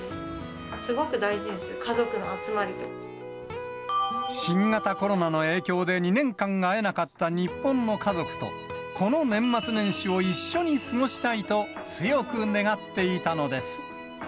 すごく大事にする、家族の集まり新型コロナの影響で２年間会えなかった日本の家族と、この年末年始を一緒に過ごしたいと強く願っていたのです。